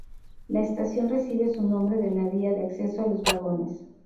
La estación recibe su nombre de la vía de acceso a los vagones.